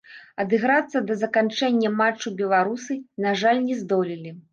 Адыграцца да заканчэння матчу беларусы, на жаль, не здолелі.